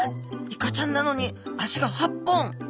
イカちゃんなのに足が８本。